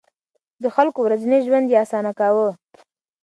د خلکو ورځنی ژوند يې اسانه کاوه.